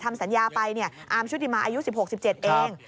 ทำสัญญาไปเนี่ยอามชุติมาอายุสิบหกสิบเจ็ดเอง